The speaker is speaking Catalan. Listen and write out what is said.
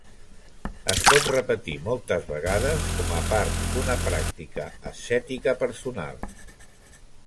Es pot repetir moltes vegades com a part d'una pràctica ascètica personal.